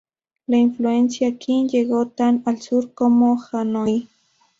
La influencia Qin llegó tan al sur como Hanoi.